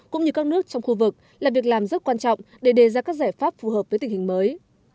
cũng như các nước trong khu vực là việc làm rất quan trọng để đề ra các giải pháp phù hợp với tình hình mới